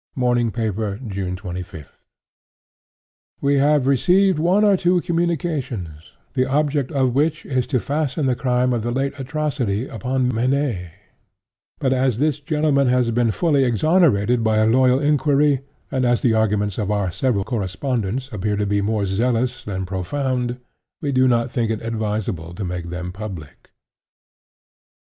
—Morning Paper—June 25. (*19) "We have received one or two communications, the object of which is to fasten the crime of the late atrocity upon Mennais; (*20) but as this gentleman has been fully exonerated by a loyal inquiry, and as the arguments of our several correspondents appear to be more zealous than profound, we do not think it advisable to make them public."